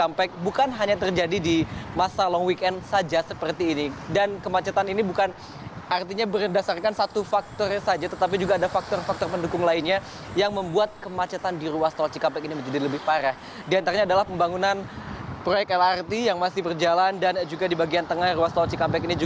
memudah keyakinan reefs dan langkwas calon bir hinilagar asira aneh keicks